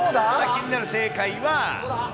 気になる正解は。